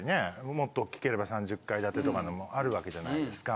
もっとおっきければ３０階建てとかのもあるわけじゃないですか。